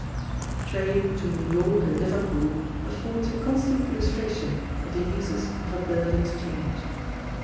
The trade between New York and Liverpool affords a constant illustration of the uses of a bill of exchange.